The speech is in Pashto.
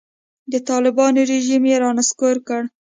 د طالبانو رژیم یې رانسکور کړ.